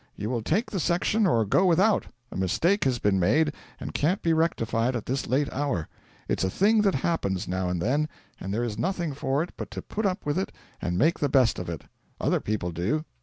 You will take the section or go without. A mistake has been made and can't be rectified at this late hour. It's a thing that happens now and then, and there is nothing for it but to put up with it and make the best of it. Other people do.'